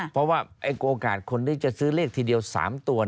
เพราะว่าโอกาสคนที่จะซื้อเลขทีเดียว๓ตัว